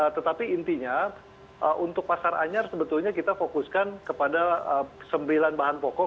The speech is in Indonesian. tetapi intinya untuk pasar anyar sebetulnya kita fokuskan kepada sembilan bahan pokok